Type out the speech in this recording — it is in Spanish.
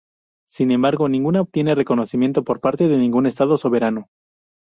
Sin embargo, ninguna obtiene reconocimiento por parte de ningún estado soberano.